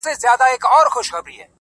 دا دی لمبهوړمه له اوره سره مينه کوم_